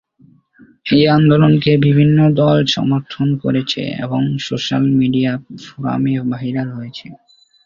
এই আন্দোলনকে বিভিন্ন দল সমর্থন করেছে এবং সোশ্যাল মিডিয়া ফোরামে ভাইরাল হয়েছে।